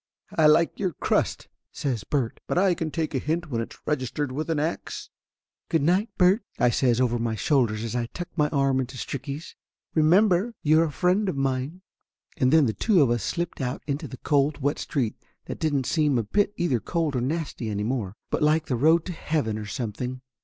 "I like your crust!" says Bert. "But I can take a hint when it's registered with an ax." "Good night, Bert!" I says over my shoulder as I tucked my arm into Stricky's. "Remember you're a friend of mine!" And then the two of us slipped out into the cold, wet street that didn't seem a bit either cold or nasty any more, but like the road to heaven or something.